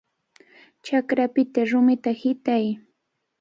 ¡Chakrapita rumita hitay!